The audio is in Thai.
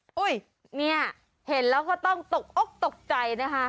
โอ้วนี่เห็นแล้วคือต้องตกคตกใจนะคะ